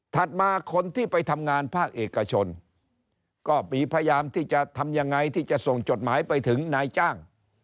มาคนที่ไปทำงานภาคเอกชนก็มีพยายามที่จะทำยังไงที่จะส่งจดหมายไปถึงนายจ้าง